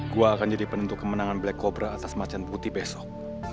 gua akan jadi penentu kemenangan black cobra atas macan putih besok